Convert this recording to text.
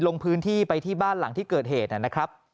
ลงพื้นที่ไปที่บ้านหลังที่เกิดเหตุนะครับ